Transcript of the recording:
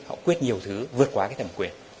họ quyết nhiều thứ vượt qua cái thẩm quyền